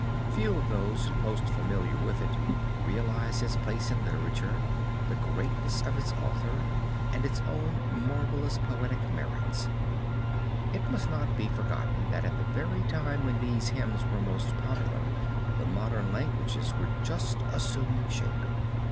Few of those most familiar with it realize its place in literature, the greatness of its author, or its own marvelous poetic merits. It must not be forgotten that at the very time when these hymns were most popular the modern languages were just assuming shape.